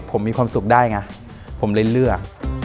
ผมมีความสุขได้ไงผมเลยเลือก